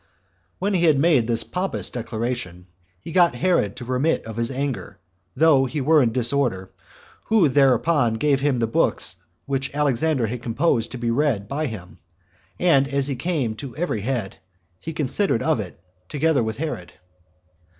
2. When he had made this pompous declaration, he got Herod to remit of his anger, though he were in disorder, who thereupon gave him the books which Alexander had composed to be read by him; and as he came to every head, he considered of it, together with Herod.